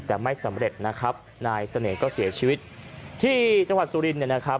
แต่ไม่สำเร็จนะครับนายเสน่ห์ก็เสียชีวิตที่จังหวัดสุรินเนี่ยนะครับ